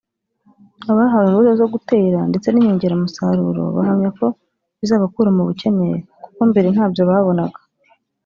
Abahawe imbuto zo gutera ndetse n’inyongeramusaruro bahamya ko bizabakura mu bukene kuko mbere ntabyo babonaga